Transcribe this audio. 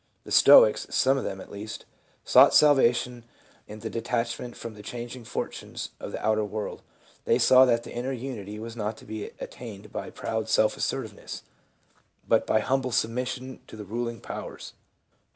The Stoics (some of them at least) sought salvation in the detachment from the changing fortunes of the outer world ; they saw that inner unity was not to be attained by proud self assertiveness, but by humble submis sion to the Euling Powers.